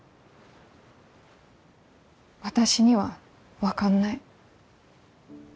私には分かんない。